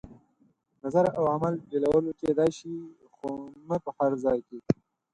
نظر او عمل بېلولو کېدای شي، خو نه په هر ځای کې.